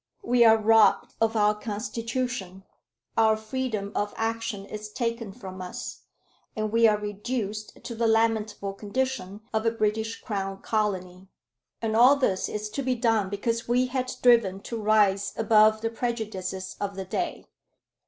We are robbed of our constitution, our freedom of action is taken from us, and we are reduced to the lamentable condition of a British Crown colony! And all this is to be done because we had striven to rise above the prejudices of the day."